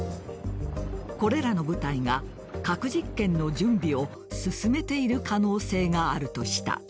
これらの部隊が核実験の準備を進めている可能性があるとした。